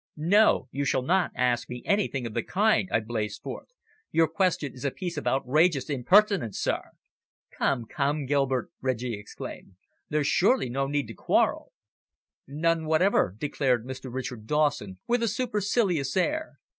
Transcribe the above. "No, you shall not ask me anything of the kind," I blazed forth. "Your question is a piece of outrageous impertinence, sir." "Come, come, Gilbert," Reggie exclaimed. "There's surely no need to quarrel." "None whatever," declared Mr. Richard Dawson, with a supercilious air.